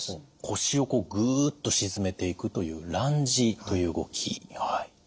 腰をこうぐっと沈めていくというランジという動き。